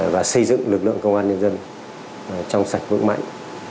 và xây dựng lực lượng công an nhân dân trong sạch vững mạnh